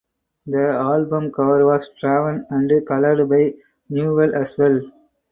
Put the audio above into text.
The album cover was drawn and coloured by Newell as well.